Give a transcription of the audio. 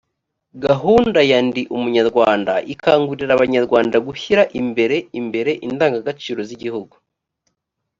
gahunda ya ndi umunyarwanda ikangurira abanyarwanda gushyira imbere imbere indangagaciro z’ igihugu